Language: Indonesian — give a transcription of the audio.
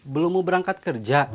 belum mau berangkat kerja